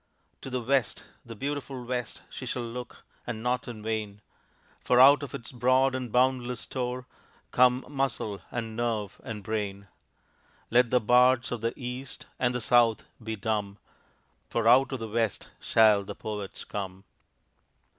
To the West, the beautiful West, She shall look, and not in vain For out of its broad and boundless store Come muscle, and nerve, and brain. Let the bards of the East and the South be dumb For out of the West shall the Poets come.